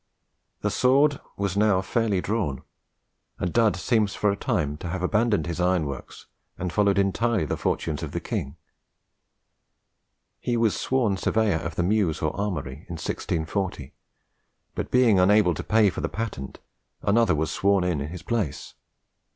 The sword was now fairly drawn, and Dud seems for a time to have abandoned his iron works and followed entirely the fortunes of the king. He was sworn surveyor of the Mews or Armoury in 1640, but being unable to pay for the patent, another was sworn in in his place.